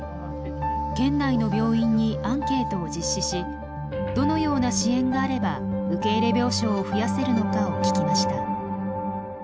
県内の病院にアンケートを実施しどのような支援があれば受け入れ病床を増やせるのかを聞きました。